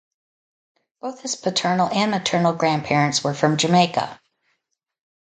Both his paternal and maternal grandparents were from Jamaica.